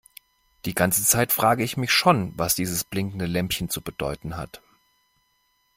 Die ganze Zeit frage ich mich schon, was dieses blinkende Lämpchen zu bedeuten hat.